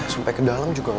sumpah ke dalam juga gaada